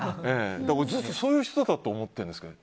ずっとそういう人だと思ってるんですけど。